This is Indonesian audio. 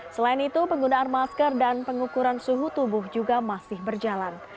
selain itu penggunaan masker dan pengukuran suhu tubuh juga masih berjalan